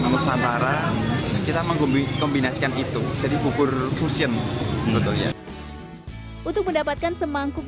nusantara kita mengembinasikan itu jadi bubur fusion sebetulnya untuk mendapatkan semangkuk